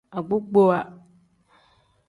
Agbokpowa.